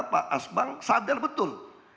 pak asbang sadar betul